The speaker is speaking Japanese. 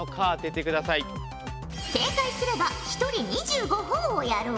正解すれば１人２５ほぉをやろう。